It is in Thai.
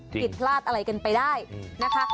ผิดพลาดอะไรกันไปได้นะคะ